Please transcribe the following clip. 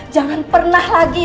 jangan pernah lagi